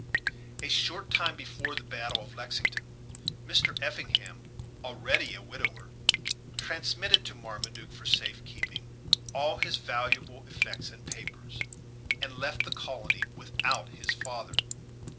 A short time before the battle of Lexington, Mr. Effingham, already a widower, transmitted to Marmaduke, for safe keeping, all his valuable effects and papers; and left the colony without his father.